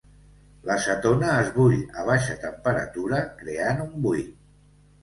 L"acetona es bull a baixa temperatura creant un buit.